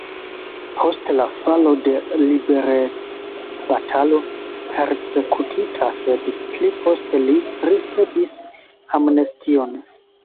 Post la falo de liberecbatalo persekutita, sed pli poste li ricevis amnestion.